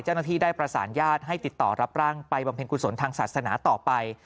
เจ้าหน้าที่ได้ประสานญาติให้ติดต่อรับร่างไปบำเพ็ญกุศลทางศาสนาต่อไป